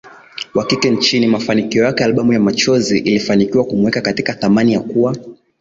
wa kike nchini Mafanikio yake Albamu ya Machozi ilifanikiwa kumweka katika thamani ya kuwa